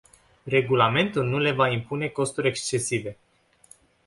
Regulamentul nu le va impune costuri excesive.